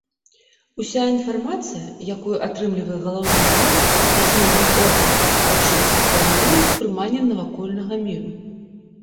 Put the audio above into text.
Уся інфармацыя, якую атрымлівае галаўны мозг з асноўных органаў пачуццяў фарміруе ўспрыманне навакольнага міру.